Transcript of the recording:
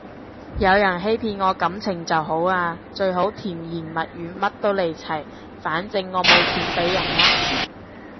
有人欺騙我感情就好啊，最好甜言蜜語乜都嚟齊，反正我冇錢畀人呃